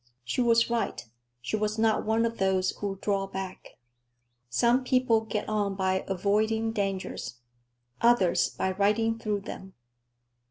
She was right; she was not one of those who draw back. Some people get on by avoiding dangers, others by riding through them.